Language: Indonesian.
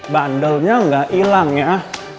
bandelnya gak ilang ya